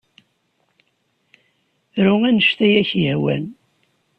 Ru anect ay ak-yehwan.